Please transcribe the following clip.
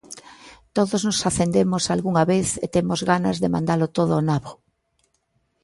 Todos nos acendemos algunha vez e temos ganas de mandalo todo ao nabo.